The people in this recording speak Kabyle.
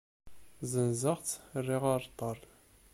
Zzenzeɣ-tt, rriɣ areṭṭal.